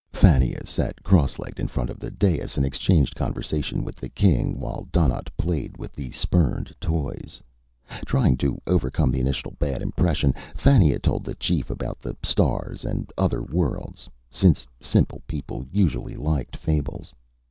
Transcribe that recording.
Fannia sat cross legged in front of the dais and exchanged conversation with the king while Donnaught played with the spurned toys. Trying to overcome the initial bad impression, Fannia told the chief about the stars and other worlds, since simple people usually liked fables.